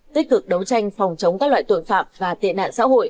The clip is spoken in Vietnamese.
tích cực đấu tranh phòng chống các loại tội phạm và tệ nạn xã hội